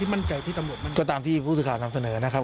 ที่มั่นเจอที่ตำลวดมันก็ตามที่ผู้สือคาคำเสนอนะครับ